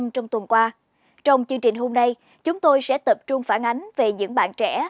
trong chương trình hôm nay chúng tôi sẽ tập trung phản ánh về những bạn trẻ